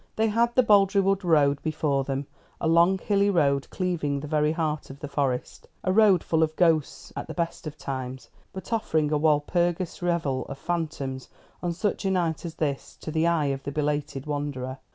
They had the Boldrewood Road before them, a long hilly road cleaving the very heart of the Forest; a road full of ghosts at the best of times, but offering a Walpurgis revel of phantoms on such a night as this to the eye of the belated wanderer.